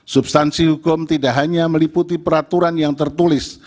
substansi hukum tidak hanya meliputi peraturan yang tertulis